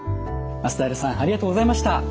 松平さんありがとうございました。